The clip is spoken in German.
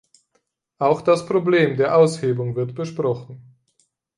Auch das Problem der Aushebung wird besprochen.